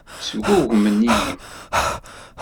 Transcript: Sgugmen-iyi.